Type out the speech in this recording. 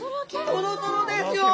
トロトロですよ！